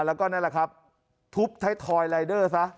แล้วก็ทับในรายลาเดอร์